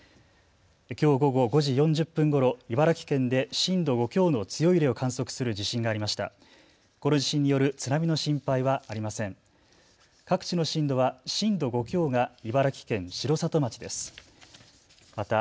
きょう午後５時４０分ごろ、茨城県で震度５強の強い揺れを観測する地震がありました。